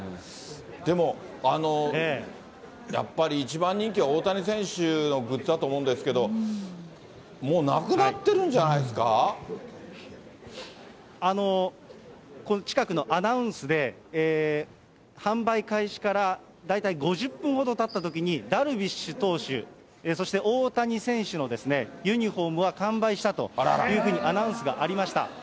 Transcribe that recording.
でもやっぱり、一番人気は大谷選手のグッズだと思うんですけど、もうなくなってこの近くのアナウンスで、販売開始から大体５０分ほどたったときに、ダルビッシュ投手、そして大谷選手のユニホームは完売したというふうにアナウンスがありました。